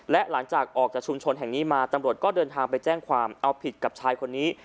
และหลังจากออกจากชุมชนแห่งนี้มาตำรวจก็เดินทางไปแจ้งความเอาผิดกับชายคนนี้